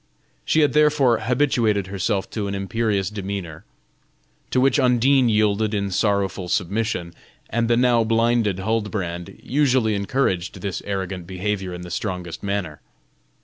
She had therefore habituated herself to an imperious demeanor, to which Undine yielded in sorrowful submission, and the now blinded Huldbrand usually encouraged this arrogant behavior in the strongest manner.